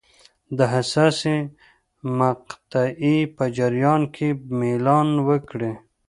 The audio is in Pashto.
د حساسې مقطعې په جریان کې میلان وکړي.